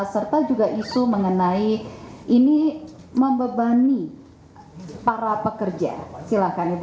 serta juga isu mengenai ini membebani para pekerja silakan itu